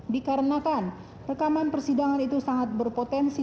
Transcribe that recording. dikarenakan rekaman persidangan itu sangat berpotensi